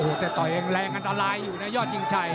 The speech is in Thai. แต่ต่อยเองแรงอันตรายอยู่นะยอดชิงชัย